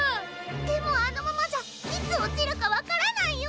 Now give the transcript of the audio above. でもあのままじゃいつおちるかわからないよ！